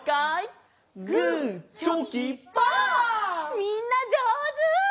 みんなじょうず！